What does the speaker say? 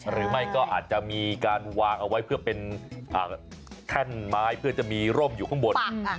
หรือไม่ก็อาจจะมีการวางเอาไว้เพื่อเป็นแท่นไม้เพื่อจะมีร่มอยู่ข้างบน